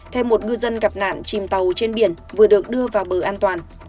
thêm một ngư dân gặp nạn chìm tàu trên biển vừa được đưa vào bờ an toàn